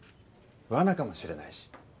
わなかもしれないし。